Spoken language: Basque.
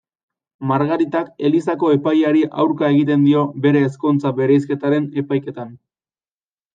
Margaritak elizako epaileari aurka egiten dio bere ezkontza-bereizketaren epaiketan.